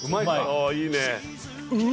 ああいいねう